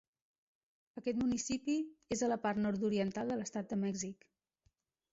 Aquest municipi és a la part nord-oriental de l'estat de Mèxic.